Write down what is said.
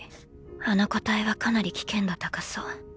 あの個体はかなり危険度高そう。